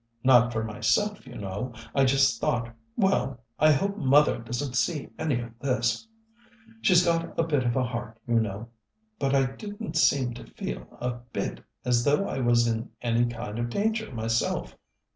Not for myself, you know. I just thought, well, I hope mother doesn't see any of this she's got a bit of a heart, you know but I didn't seem to feel a bit as though I was in any kind of danger myself.